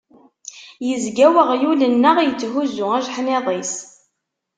Yezga uɣyul-nneɣ itthuzzu ajeḥniḍ-is.